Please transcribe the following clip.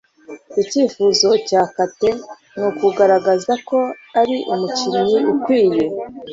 Icyifuzo cya Kate nukugaragaza ko ari umukinnyi ukwiye